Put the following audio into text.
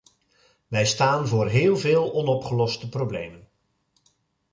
Wij staan voor heel veel onopgeloste problemen.